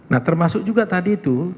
nah termasuk juga tadi itu